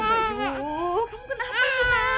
aduh bayu kamu kenapa cuma